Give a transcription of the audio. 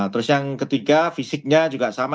terus yang ketiga fisiknya juga sama